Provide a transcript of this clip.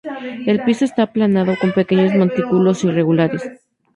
El piso está aplanado, con pequeños montículos irregulares.